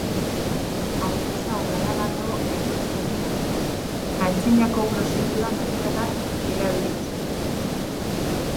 Artisau garagardo ekoizten du, antzinako prozedura naturalak erabiliz.